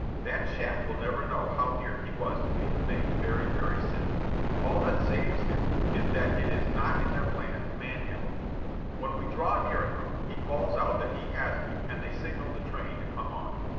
That shack will never know how near he was to being made very, very sick. All that saves him is that it is not in their plan to man handle me. When we draw near enough, he calls out that he has me, and they signal the train to come on.